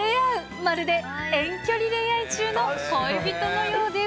まるで遠距離恋愛中の恋人のようです。